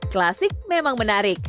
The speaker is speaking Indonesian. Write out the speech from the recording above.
klasik memang menarik